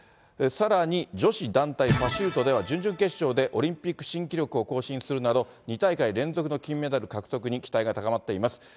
さらに、女子団体パシュートでは、準々決勝でオリンピック新記録を更新するなど、２大会連続の金メダルに獲得に期待が高まっています。